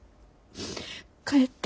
帰って。